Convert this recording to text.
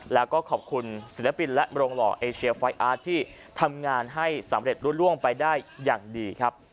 แล้วก็ขอบคุณศิลปินและโรงหล่อเอเชียไฟอาร์ตที่ทำงานให้สำเร็จรู้ล่วงไปได้อย่างดีครับ